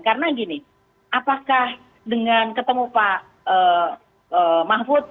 karena gini apakah dengan ketemu pak mahfud